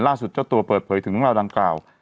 ล่าสุดเจ้าตัวเปิดเผยถึงราวดังกล่าว